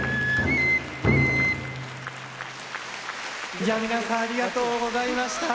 いや皆さんありがとうございました。